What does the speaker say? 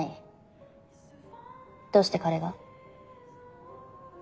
どうして彼が？